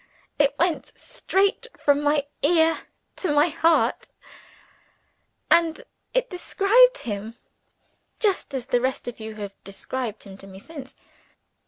It went straight from my ear to my heart; and it described him, just as the rest of you have described him to me since.